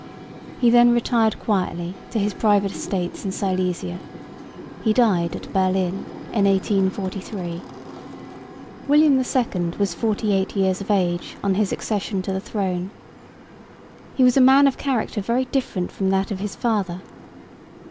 He then retired quietly to his private estates in Silesia. He died at Berlin in 1843. William II was forty eight years of age on his accession to the throne. He was a man of a character very different from that of his father.